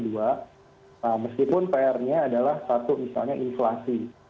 nah meskipun pr nya adalah satu misalnya inflasi